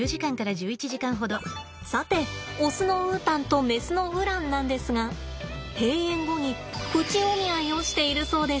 さてオスのウータンとメスのウランなんですが閉園後にプチお見合いをしているそうです。